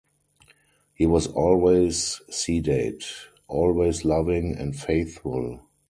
He was always sedate, always loving, and faithful.